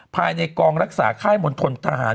ภายในกองรักษาค่ายมณฑลทหาร